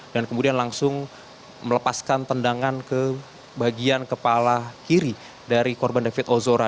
dan kemudian langsung melepaskan tendangan ke bagian kepala kiri dari korban david ozora